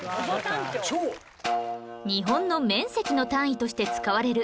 日本の面積の単位として使われる